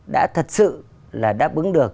đã thật sự là đáp ứng được